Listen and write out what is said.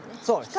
そう。